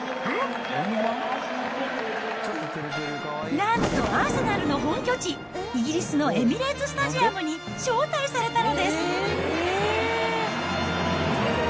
なんと、アーセナルの本拠地、イギリスのエミレーツ・スタジアムに招待されたのです。